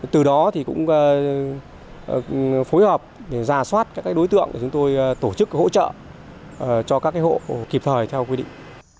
từ đó thì cũng phối hợp để ra soát các đối tượng để chúng tôi tổ chức hỗ trợ cho các hộ kịp thời theo quy định